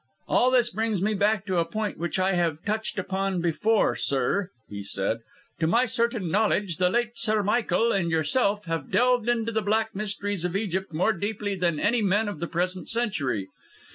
"All this brings me back to a point which I have touched upon before, sir," he said: "To my certain knowledge, the late Sir Michael and yourself have delved into the black mysteries of Egypt more deeply than any men of the present century.